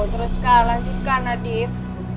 terus kalah juga nadif